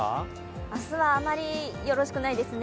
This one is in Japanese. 明日はあまりよろしくないですね。